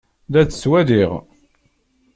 La tt-ttwaliɣ.